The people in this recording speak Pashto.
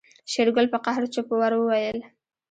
شېرګل په قهر چپ ور وويل.